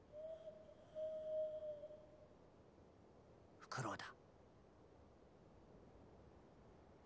フクロウだ。